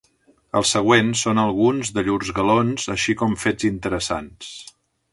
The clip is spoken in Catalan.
Els següents són alguns de llurs galons així com fets interessants.